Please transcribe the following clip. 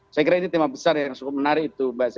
saya kira ini tema besar yang cukup menarik itu mbak